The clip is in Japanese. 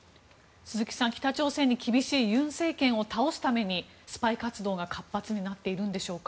鈴木さん、北朝鮮に厳しいユン政権を倒すためにスパイ活動が活発になっているんでしょうか。